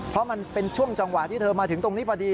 เพราะมันเป็นช่วงจังหวะที่เธอมาถึงตรงนี้พอดี